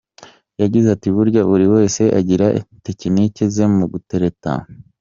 Yagize ati “Burya buri wese agira tekiniki ze mu gutereta.